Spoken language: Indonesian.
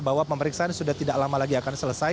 bahwa pemeriksaan sudah tidak lama lagi akan selesai